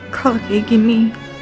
kalau kayak gini